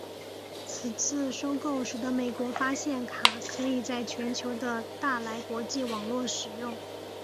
此次收购使得美国发现卡可以在全球的大来国际网络使用。